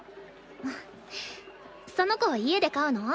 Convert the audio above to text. その子家で飼うの？